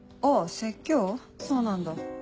そうなんだ。